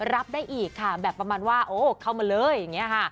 รับได้อีกค่ะแบบประมาณว่าโอ้เข้ามาเลยอย่างนี้ค่ะ